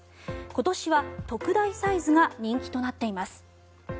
今年は特大サイズが人気となっています。